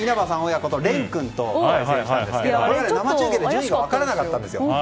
親子とれん君と戦ったんですが生中継で順位が分からなかったんですよ。